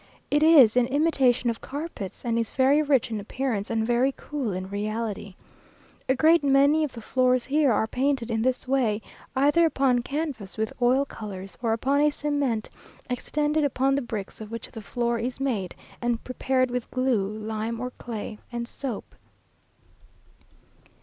It is in imitation of carpets, and is very rich in appearance and very cool in reality. A great many of the floors here are painted in this way, either upon canvas with oil colours, or upon a cement extended upon the bricks of which the floor is made, and prepared with glue, lime, or clay, and soap.